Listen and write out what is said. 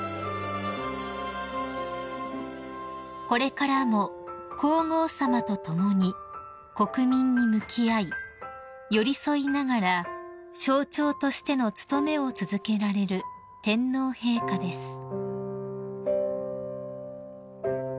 ［これからも皇后さまと共に国民に向き合い寄り添いながら象徴としての務めを続けられる天皇陛下です］